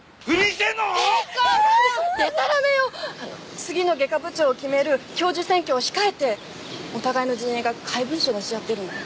次の外科部長を決める教授選挙を控えてお互いの陣営が怪文書を出し合ってるのよ。